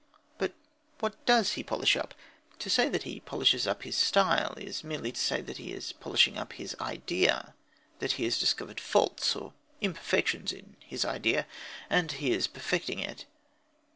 But what does he polish up? To say that he polishes up his style is merely to say that he is polishing up his idea, that he has discovered faults or imperfections in his idea, and is perfecting it.